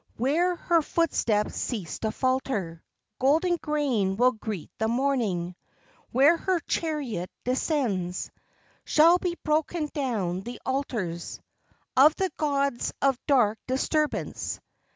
Where her footsteps cease to falter Golden grain will greet the morning, Where her chariot descends Shall be broken down the altars Of the gods of dark disturbance.